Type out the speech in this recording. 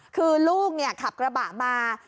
คือลูกเนี่ยขับกระบะมา